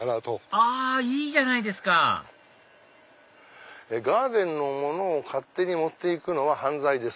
あいいじゃないですか「ガーデンの物を勝手に持っていくのは犯罪です」。